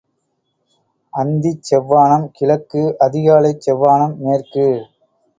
அந்திச் செவ்வானம் கிழக்கு அதிகாலைச் செவ்வானம் மேற்கு.